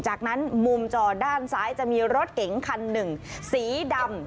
จากนั้นมุมจอด้านซ้ายจะมีรถเก๋งคันหนึ่งสีดำ